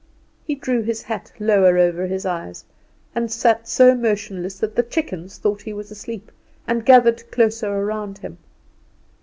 He drew his hat lower over his eyes and sat so motionless that the chickens thought he was asleep, and gathered closer around him.